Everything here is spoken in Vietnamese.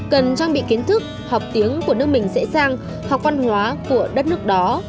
cần trang bị kiến thức học tiếng của nước mình dễ dàng học văn hóa của đất nước đó